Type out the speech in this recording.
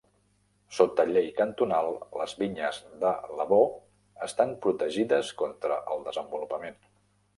Sota llei cantonal, les vinyes del Lavaux estan protegides contra el desenvolupament.